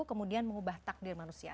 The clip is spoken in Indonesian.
kemudian mengubah takdir manusia